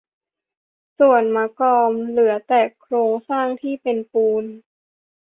ส่วน มะกอม เหลือแต่โครงสร้างที่เป็นปูน